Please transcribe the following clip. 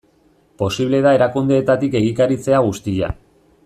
Posible da erakundeetatik egikaritzea guztia?